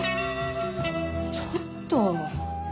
ちょっと。